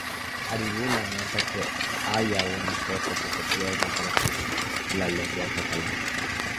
Aribau lamenta que haya una cosa que se pierde para siempre, la lengua catalana.